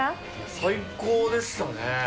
最高でしたね。